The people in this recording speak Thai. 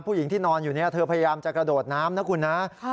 ผู้หญิงที่นอนอยู่เนี่ยเธอพยายามจะกระโดดน้ำนะคุณนะ